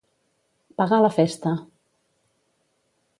Pagar la festa.